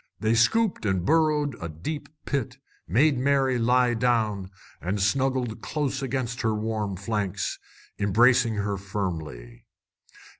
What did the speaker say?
They scooped and burrowed a deep pit, made Mary lie down, and snuggled close against her warm flanks, embracing her firmly.